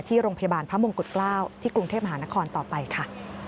ที่โรงพยาบาลพระมงกุฎเกล้าที่กรุงเทพมหานครต่อไปค่ะ